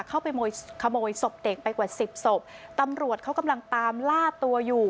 ขโมยขโมยศพเด็กไปกว่าสิบศพตำรวจเขากำลังตามล่าตัวอยู่